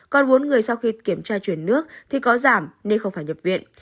còn bốn người sau khi kiểm tra chuyển nước thì có giảm nên không phải nhập viện